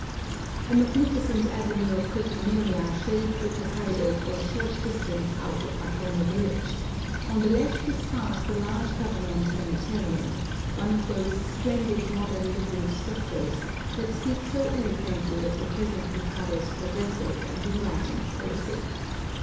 A magnificent avenue of cryptomeria shades the Tokaido for a short distance out of Hakone village; on the left is passed a large government sanitarium, one of those splendid modern looking structures that speak so eloquently of the present Mikado's progressive and enlightened policy.